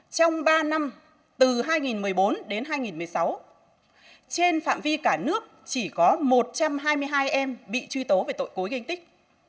trong ba năm từ hai nghìn một mươi bốn đến hai nghìn một mươi sáu trên phạm vi cả nước chỉ có một trăm hai mươi hai em bị truy tố về tội cối gây tích